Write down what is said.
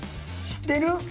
知ってる？